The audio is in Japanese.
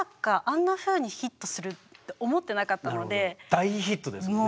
大ヒットですよね。